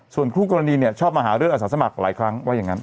ส่วนคู่กรณีเนี่ยชอบมาหาเรื่องอาสาสมัครหลายครั้งว่าอย่างนั้น